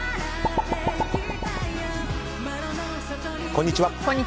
こんにちは。